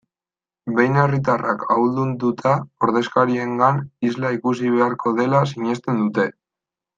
Behin herritarrak ahaldunduta, ordezkariengan isla ikusi beharko dela sinesten dute.